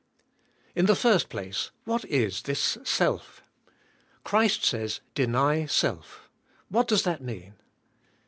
In the first place what is this self? Christ says: deny self. What does that mean?